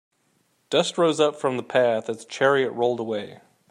Dust rose up from the path as the chariot rolled away.